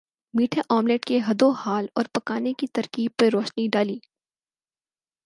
میٹھے آملیٹ کے خدوخال اور پکانے کی ترکیب پر روشنی ڈالی